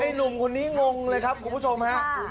ไอ้หนุ่มคนนี้งงเลยครับคุณผู้ชมครับ